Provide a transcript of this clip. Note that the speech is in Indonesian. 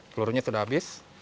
pelurunya sudah habis